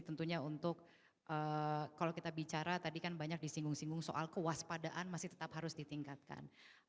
tentunya untuk kalau kita bicara tadi kan banyak disinggung singgung soal kewaspadaan masih tetap harus ditingkatkan